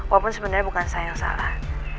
walaupun sebenarnya bukan saya yang salah